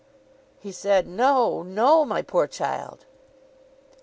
He said, 'No. No, my poor child.